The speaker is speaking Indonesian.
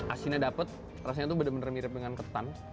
asinnya dapat rasanya tuh benar benar mirip dengan ketan